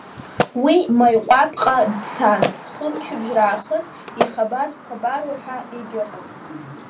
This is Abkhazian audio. Уи Маиҟәаԥҟа дцан, хымчыбжь раахыс ихабар зхабару ҳәа егьыҟам.